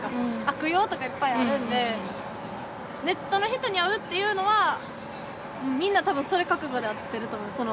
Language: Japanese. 悪用とかいっぱいあるんでネットの人に会うっていうのはみんな多分それ覚悟で会ってると思う。